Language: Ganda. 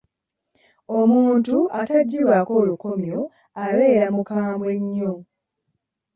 Omuntu ataggyibwako lukamyo abeera mukambwe ennyo.